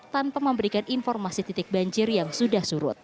tanpa memberikan informasi titik banjir yang sudah surut